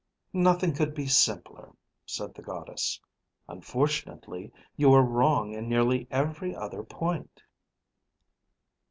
"Nothing could be simpler," said the Goddess. "Unfortunately you are wrong in nearly every other point."